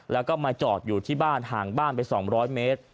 แล้วก็มาจอดอยู่ที่บ้านห่างบ้านไป๒๐๐เมตร